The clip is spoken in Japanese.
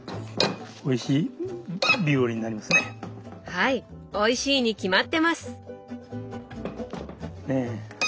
はいおいしいに決まってます！